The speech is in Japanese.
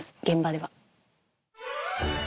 現場では。